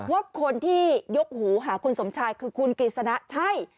ว่าคนที่ยกหูหาคุณสมชายคือคุณกฤษณะใช่